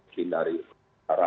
dihindari untuk sementara